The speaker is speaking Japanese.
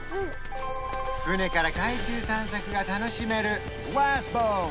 船から海中散策が楽しめるグラスボート